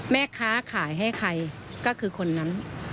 แม่ค้าขายให้ใครก็คือคนนั้น